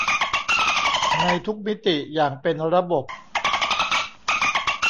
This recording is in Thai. ในทุกมิติอย่างเป็นระบบ